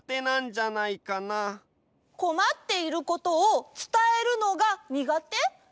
こまっていることを伝えるのがにがて？